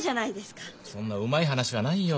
そんなうまい話はないよ。